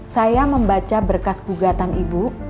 saya membaca berkas gugatan ibu